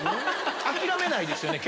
諦めないですね